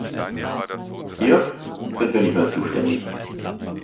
Hier sind wir nicht mehr zuständig.